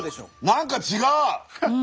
何か違う！